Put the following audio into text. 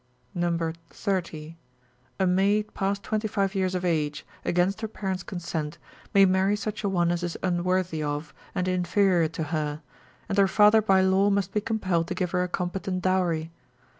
2. numer. 30. A maid past twenty five years of age, against her parents' consent may marry such a one as is unworthy of, and inferior to her, and her father by law must be compelled to give her a competent dowry.